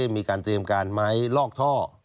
มีการเตรียมการไหมลอกท่อ